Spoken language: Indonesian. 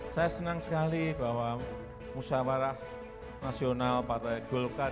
saya senang sekali bahwa musyawarah nasional partai golkar